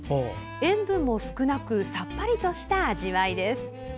塩分も少なくさっぱりとした味わいです。